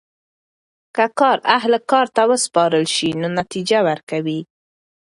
که کار اهل کار ته وسپارل سي نو نتیجه ورکوي.